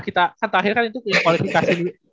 kita kan terakhir kan itu kualifikasi